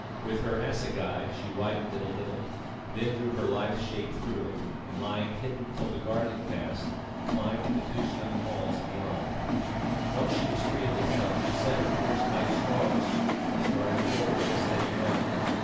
With her assegai she widened it a little, then drew her lithe shape through it, and lying hidden till the guard had passed, climbed the two stone walls beyond. Once she was free of the town, she set her course by the stars and started forward at a steady run.